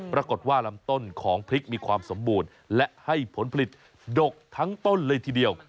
ปรากฏว่าลำต้นของพริกมีความสมบูรณ์และให้ผลผลิตดกทั้งต้นเลยทีเดียว